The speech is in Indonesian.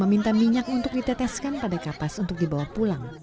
meminta minyak untuk diteteskan pada kapas untuk dibawa pulang